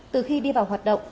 từ khi đi vào hoạt động